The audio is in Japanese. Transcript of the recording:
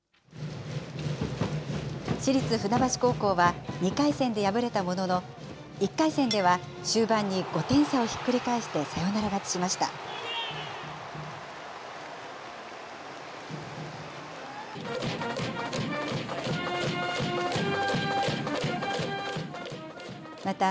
市立船橋高校は、２回戦で敗れたものの、１回戦では、終盤に５点差をひっくり返して、サヨナラ勝ちしました。